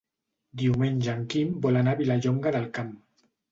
Diumenge en Quim vol anar a Vilallonga del Camp.